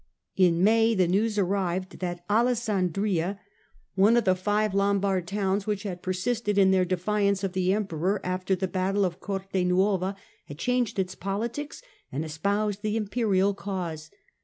In May the news arrived that Alessandria, one of the 1 82 STUPOR MUNDI five Lombard cities which had persisted in their defiance of the Emperor after the battle of Cortenuova, had changed its politics and espoused the Imperial cause.